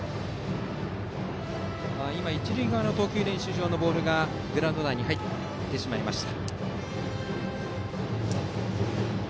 一塁側の投球練習場のボールがグラウンド内に入ってしまいました。